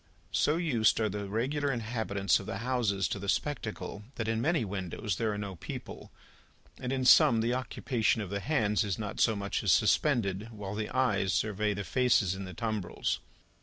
So used are the regular inhabitants of the houses to the spectacle, that in many windows there are no people, and in some the occupation of the hands is not so much as suspended, while the eyes survey the faces in the tumbrils.